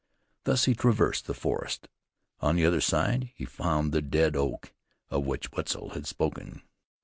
Thus he traversed the forest. On the other side he found the dead oak of which Wetzel had spoken.